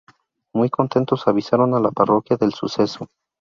Muy contentos avisaron a la parroquia del suceso.